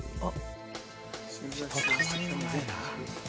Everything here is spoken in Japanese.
ひとたまりもないな。